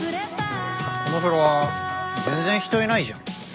このフロア全然人いないじゃん。